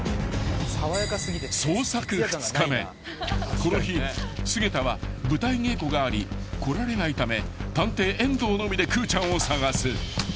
［この日菅田は舞台稽古があり来られないため探偵遠藤のみでくーちゃんを捜す］